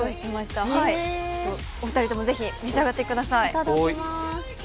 お二人ともぜひ召し上がってください。